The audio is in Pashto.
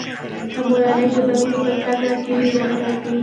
که مورنۍ ژبه وي نو په زده کړه کې وېره نه راځي.